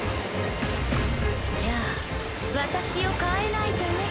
じゃあ私を変えないとね。